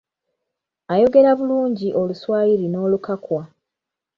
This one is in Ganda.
Ayogera bulungi Oluswayiri n'Olukakwa.